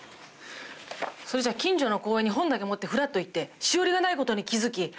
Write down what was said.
それじゃ近所の公園に本だけ持ってふらっと行ってしおりがないことに気づき。